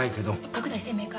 拡大鮮明化。